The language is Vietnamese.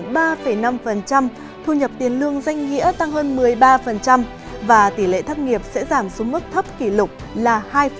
nền kinh tế nga đạt tốc độ tăng trưởng ba năm thu nhập tiền lương danh nghĩa tăng hơn một mươi ba và tỉ lệ thất nghiệp sẽ giảm xuống mức thấp kỷ lục là hai chín